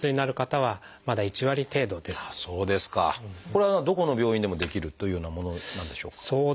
これはどこの病院でもできるというようなものなんでしょうか？